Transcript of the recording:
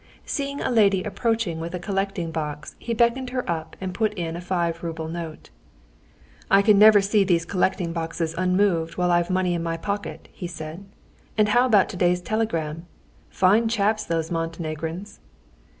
Seeing a lady approaching with a collecting box, he beckoned her up and put in a five rouble note. "I can never see these collecting boxes unmoved while I've money in my pocket," he said. "And how about today's telegram? Fine chaps those Montenegrins!"